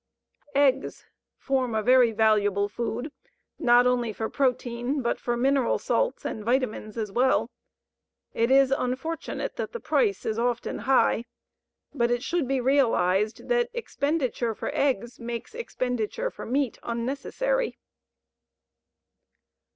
Eggs form a very valuable food not only for protein, but for mineral salts and vitamines as well. It is unfortunate that the price is often high, but it should be realized that expenditure for eggs makes expenditure for meat unnecessary.